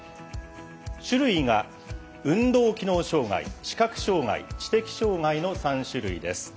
種類が運動機能障がい視覚障がい知的障がいの３種類です。